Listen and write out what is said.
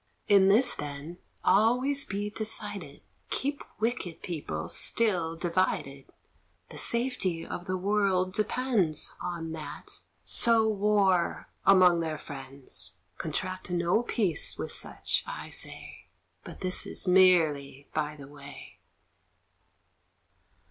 In this, then, always be decided: Keep wicked people still divided; The safety of the world depends On that sow war among their friends; Contract no peace with such, I say, But this is merely by the way.